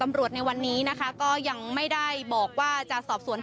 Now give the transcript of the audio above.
ไม่เจอนะไปทำงานดีกว่า